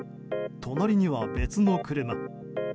隣には別の車。